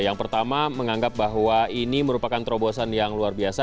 yang pertama menganggap bahwa ini merupakan terobosan yang luar biasa